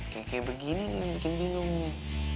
kayak kayak begini nih yang bikin bingungnya